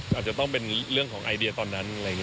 ก็อาจจะต้องเป็นเรื่องของไอเดียตอนนั้น